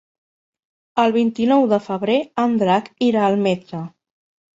El vint-i-nou de febrer en Drac irà al metge.